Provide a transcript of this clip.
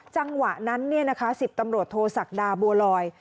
จังหวะนั้น๑๐ตำรวจโทษศักดาบัวลอย